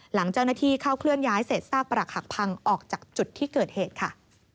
หลังเจ้าหน้าที่เข้าเคลื่อนย้ายเศษซากปรักหักพังออกจากจุดที่เกิดเหตุค่ะ